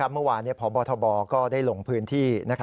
เมื่อวานพบทบก็ได้ลงพื้นที่